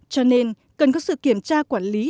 cho nên cần có sự kiểm tra quản lý